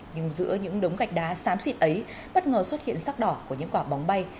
nhưng giữa những đống gạch đá sám xịt ấy bất ngờ xuất hiện sắc đỏ của những quả bóng bay